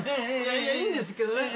いやいいんですけどね。